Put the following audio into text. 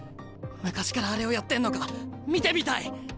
昔からあれをやってんのか見てみたい！